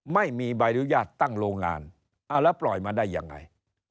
ไม่มีใบอนุญาตตั้งโรงงานเอาแล้วปล่อยมาได้ยังไง